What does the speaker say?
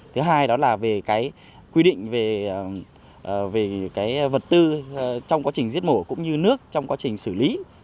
thứ hai đó là về cái quy định về vật tư trong quá trình giết mổ cũng như nước trong quá trình xử lý